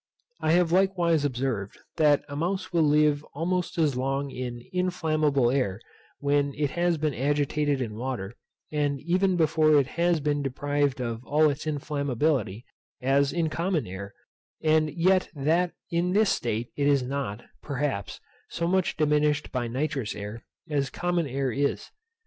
I have likewise observed, that a mouse will live almost as long in inflammable air, when it has been agitated in water, and even before it has been deprived of all its inflammability, as in common air; and yet that in this state it is not, perhaps, so much diminished by nitrous air as common air is.